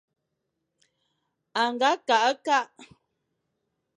A nga kakh-e-kakh.